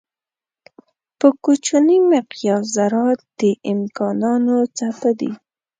په کوچني مقیاس ذرات د امکانانو څپه دي.